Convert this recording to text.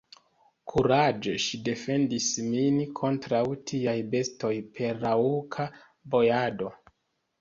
Kuraĝe ŝi defendis min kontraŭ tiaj bestoj per raŭka bojado.